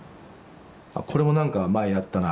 「これもなんか前やったな。